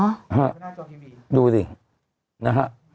ฮะดูสินะฮะ